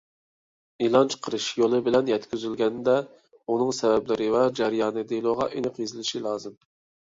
ئېلان چىقىرىش يولى بىلەن يەتكۈزۈلگەندە، ئۇنىڭ سەۋەبلىرى ۋە جەريانى دېلوغا ئېنىق يېزىلىشى لازىم.